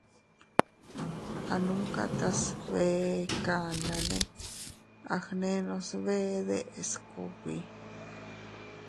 A numka tas bee kandane a gnenos bee deʼes kugbi.